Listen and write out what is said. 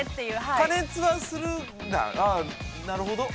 ◆加熱はするんだ、ああ、なるほど。